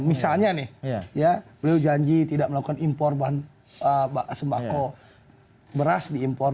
misalnya nih ya beliau janji tidak melakukan impor bahan sembako beras diimpor